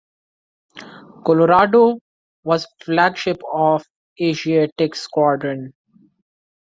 "Colorado" was flagship of the Asiatic Squadron.